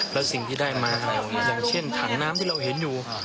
แล้วสิ่งที่ได้มาอะไรอย่างเช่นถังน้ำที่เราเห็นอยู่